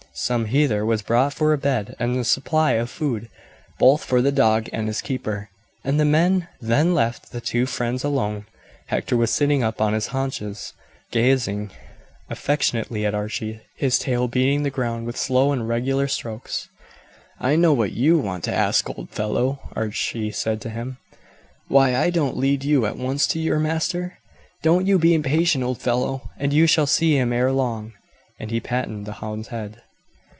Some heather was brought for a bed, and a supply of food, both for the dog and his keeper, and the men then left the two friends alone. Hector was sitting up on his haunches gazing affectionately at Archie, his tail beating the ground with slow and regular strokes. "I know what you want to ask, old fellow," Archie said to him; "why I don't lead you at once to your master? Don't you be impatient, old fellow, and you shall see him ere long;" and he patted the hound's head.